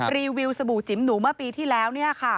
รีวิวสบู่จิ๋มหนูเมื่อปีที่แล้ว